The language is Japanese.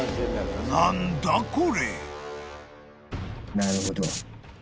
なるほど。